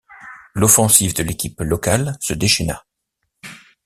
L'offensive de l'équipe locale se déchaîna.